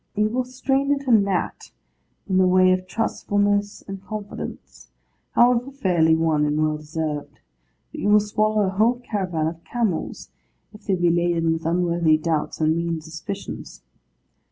You will strain at a gnat in the way of trustfulness and confidence, however fairly won and well deserved; but you will swallow a whole caravan of camels, if they be laden with unworthy doubts and mean suspicions.